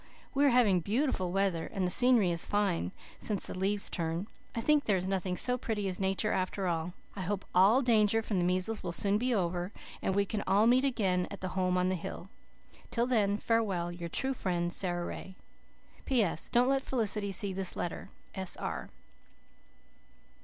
We are having BEAUTIFUL WEATHER and the seenary is fine since the leaves turned. I think there is nothing so pretty as Nature after all. "I hope ALL DANGER from the measles will soon be over and we can ALL MEET AGAIN AT THE HOME ON THE HILL. Till then FAREWELL. "Your true friend, "SARA RAY. "P. S. Don't let Felicity see this letter. S. R."